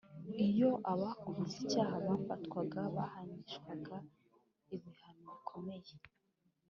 Iyo aba akoze icyaha bafatwaga bahanishwaga ibihano bikomeye